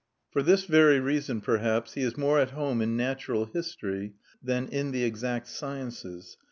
For this very reason, perhaps, he is more at home in natural history than in the exact sciences.